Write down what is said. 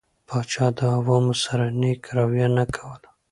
پاچا د عوامو سره نيکه رويه نه کوله.